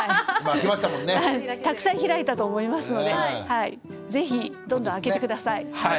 たくさん開いたと思いますので是非どんどん開けて下さい。